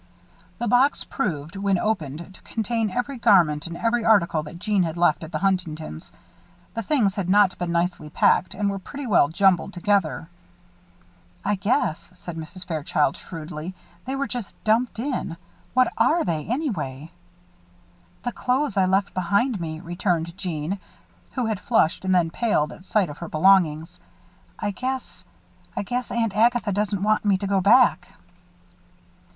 The box proved, when opened, to contain every garment and every article that Jeanne had left at the Huntingtons'. The things had not been nicely packed and were pretty well jumbled together. "I guess," said Mrs. Fairchild, shrewdly, "they were just dumped in. What are they, anyway?" "The clothes I left behind me," returned Jeanne, who had flushed and then paled at sight of her belongings. "I guess I guess Aunt Agatha doesn't want me to go back."